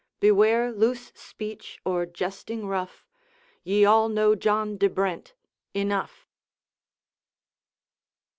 Beware loose speech, or jesting rough; Ye all know John de Brent. Enough.'